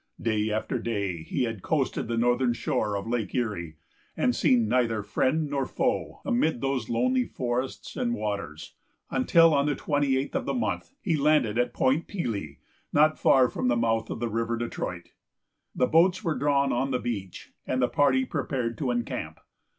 Day after day he had coasted the northern shore of Lake Erie, and seen neither friend nor foe amid those lonely forests and waters, until, on the twenty eighth of the month, he landed at Point Pelée, not far from the mouth of the River Detroit. The boats were drawn on the beach, and the party prepared to encamp.